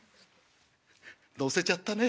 「乗せちゃったね。